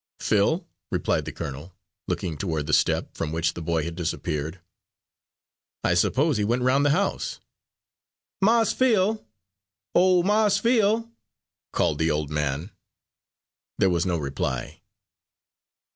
"Phil?" replied the colonel, looking toward the step, from which the boy had disappeared. "I suppose he went round the house." "Mars Phil! O Mars Phil!" called the old man. There was no reply.